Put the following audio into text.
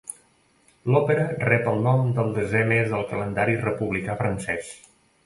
L'òpera rep el nom del desè mes del calendari republicà francès.